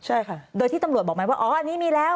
ใช่ค่ะโดยที่ตำรวจบอกไหมว่าอ๋ออันนี้มีแล้ว